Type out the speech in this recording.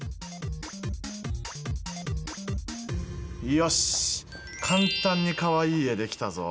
よし簡単にかわいい絵出来たぞ。